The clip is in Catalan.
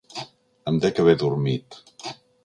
Em dec haver dormit.